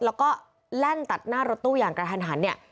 แล้วก็แล่นตัดหน้ารถตู้อย่างกระทันหันเนี่ย